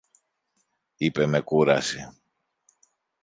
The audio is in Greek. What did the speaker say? είπε με κούραση.